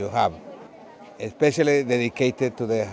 là một ý kiến rất tốt